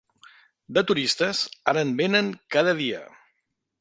De turistes, ara en venen cada dia.